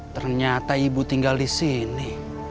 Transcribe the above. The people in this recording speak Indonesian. ternyata ibu tinggal disini